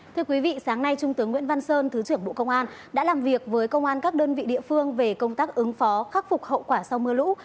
thưa quý vị sáng nay trung tướng nguyễn văn sơn thứ trưởng bộ công an đã làm việc với công an các đơn vị địa phương về công tác ứng phó khắc phục hậu quả sau mưa lũ